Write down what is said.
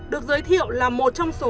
được giới thiệu là một trong số